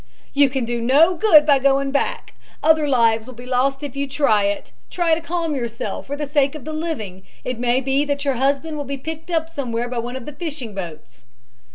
"You can do no good by going back other lives will be lost if you try to do it. Try to calm yourself for the sake of the living. It may be that your husband will be picked up somewhere by one of the fishing boats."